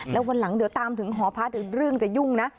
แล้ววันหลังเดี๋ยวตามถึงหอพักอีกเรื่องจะยุ่งนะ